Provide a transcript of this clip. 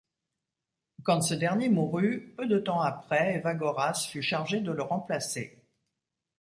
Quand ce dernier mourut, peu de temps après, Evagoras fut chargé de le remplacer.